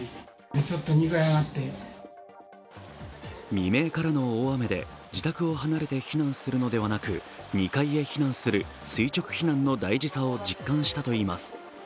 未明からの大雨で自宅を離れて避難するのではなく２階へ避難する垂直避難の大事さを実感したといいます。